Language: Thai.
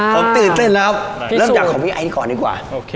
ผมตื่นเต้นแล้วเริ่มจากของพี่ไอซ์ก่อนดีกว่าโอเค